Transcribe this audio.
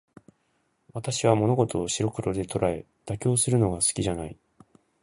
私は物事を白黒で捉え、妥協するのが好きじゃない。